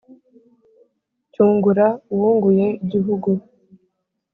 cyungura: uwunguye igihugu